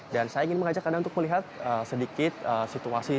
dan saya ingin mengajak anda untuk melihat sedikit situasi